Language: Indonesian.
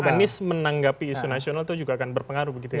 bagaimana cara menganggapi isu nasional itu juga akan berpengaruh gitu ya